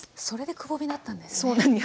それでくぼみだったんですね！